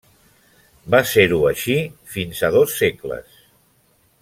Va ser-ho així fins a dos segles.